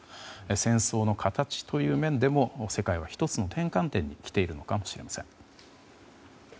戦争の形という面でも世界は１つの転換点に来ているのかもしれません。